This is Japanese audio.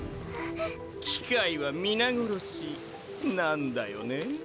機械は皆殺しなんだよねぇ。